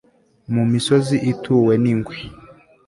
mu misozi ituwe n'ingwe